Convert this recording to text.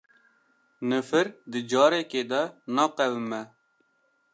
Nifir di carekî de naqewime